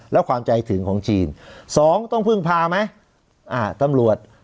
แล้วความใจถึงของจีนสองต้องพึ่งพาไหมอ่าตำรวจ